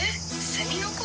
セミの声？」